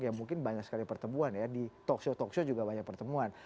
ya mungkin banyak sekali pertemuan ya di talkshow talkshow juga banyak pertemuan